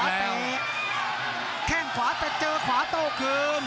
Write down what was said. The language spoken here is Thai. แข้งขวาแต่เจอขวาโต้เกิน